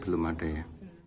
belum ada ya